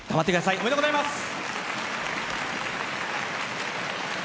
おめでとうございます。